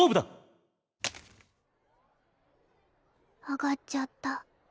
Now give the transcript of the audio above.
上がっちゃった。